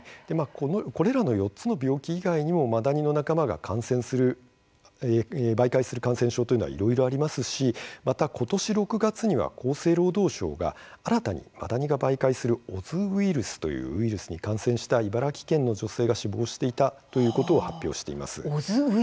これらの４つの病気以外にもマダニの仲間が媒介する感染症もいろいろありますし今年６月には厚生労働省がマダニが媒介するオズウイルスというウイルスに感染した茨城県の女性が死亡したと発表しました。